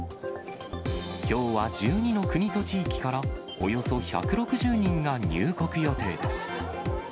きょうは１２の国と地域からおよそ１６０人が入国予定です。